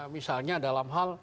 misalnya dalam hal